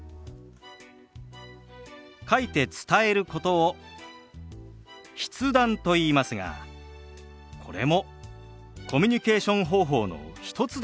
書いて伝えることを「筆談」といいますがこれもコミュニケーション方法の一つですから。